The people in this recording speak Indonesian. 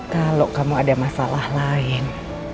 kalau kamu ada masalah lain